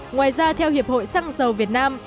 ngoài ra theo hiệp hội xăng dầu việt nam